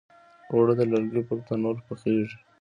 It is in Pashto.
اوړه د لرګي پر تنور پخیږي